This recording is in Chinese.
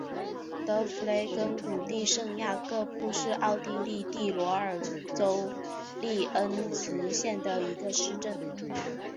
德弗雷根谷地圣雅各布是奥地利蒂罗尔州利恩茨县的一个市镇。